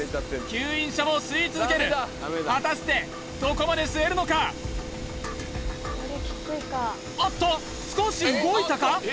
吸引車も吸い続ける果たしてどこまで吸えるのかあっと少し動いたか？